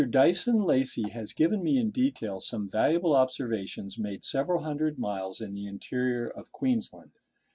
Dyson Lacy has given me in detail some valuable observations, made several hundred miles in the interior of Queensland.